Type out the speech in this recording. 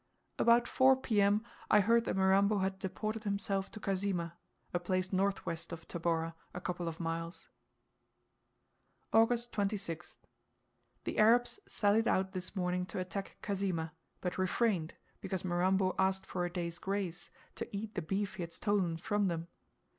About 4 p.m. I heard that Mirambo had deported himself to Kazima, a place north west of Tabora a couple of miles. August 26th. The Arabs sallied out this morning to attack Kazima, but refrained, because Mirambo asked for a day's grace, to eat the beef he had stolen from them.